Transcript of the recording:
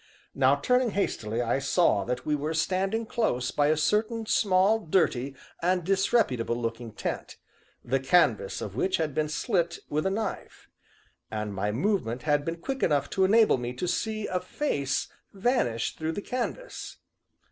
Now, turning hastily, I saw that we were standing close by a certain small, dirty, and disreputable looking tent, the canvas of which had been slit with a knife and my movement had been quick enough to enable me to see a face vanish through the canvas.